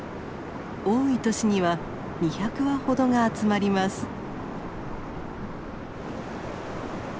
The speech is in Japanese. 多い年には２００羽ほどが集まります。